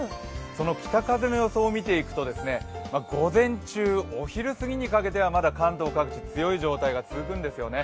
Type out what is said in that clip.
その北風の予想を見ていくと午前中、お昼過ぎにかけてはまだ関東各地強い状態が続くんですよね。